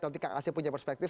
nanti kak kasem punya perspektif